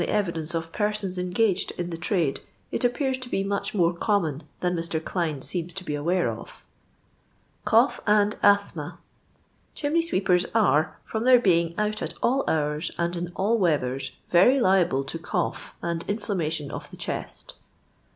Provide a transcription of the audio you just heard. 851 evidence of perions engaged in the tnde, it appears to be much more conunoii than Mr. Gline seenu to bo awnro o£ " Couyk and Asthma. — Chimney sweepers are, from their beins: out at all hours and in all weathers, very liable to cough and inflammation of the chest.